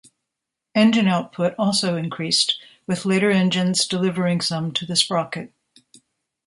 Engine output also increased, with later engines delivering some to the sprocket.